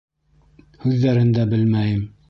Һүҙҙәрен дә... белмәйем.